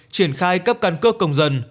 triển khai cấp căn cước công dân